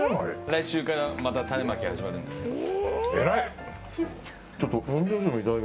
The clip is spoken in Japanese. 来週からまた種まきが始まるんですけど。